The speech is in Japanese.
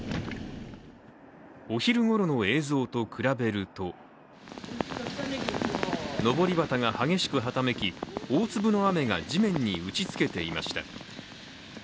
お昼ごろの映像と比べるとのぼり旗が激しくはためき、大粒の雨が地面に打ちつけていました。